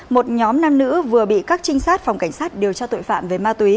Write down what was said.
một nhóm nam nữ vừa bị các trinh sát phòng cảnh sát điều tra tội phạm về ma túy